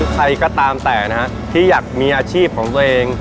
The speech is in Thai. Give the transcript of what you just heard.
ใครก็ตามแต่นะฮะที่อยากมีอาชีพของตัวเอง